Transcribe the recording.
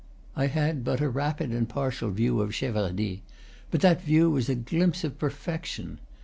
I had but a rapid and partial view of Cheverny; but that view was a glimpse of perfection.